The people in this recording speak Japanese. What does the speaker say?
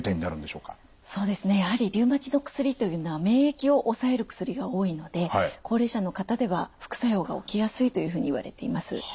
そうですねやはりリウマチの薬というのは免疫を抑える薬が多いので高齢者の方では副作用が起きやすいというふうにいわれています。